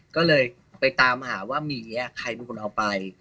ก็เลยไปตามหาว่าหมีใครเป็นคนเอาไป